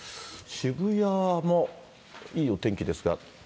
渋谷もいいお天気ですが。